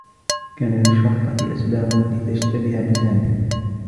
كانت للشرطة اسباب لتشتبه بسامي.